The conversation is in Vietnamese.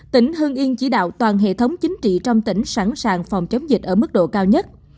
tỉnh hưng yên chỉ đạo toàn hệ thống chính trị trong tỉnh sẵn sàng phòng chống dịch ở mức độ cao nhất